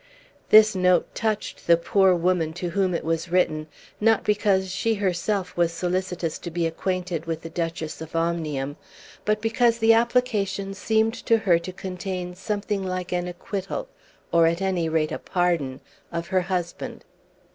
This note touched the poor woman to whom it was written, not because she herself was solicitous to be acquainted with the Duchess of Omnium, but because the application seemed to her to contain something like an acquittal, or at any rate a pardon, of her husband.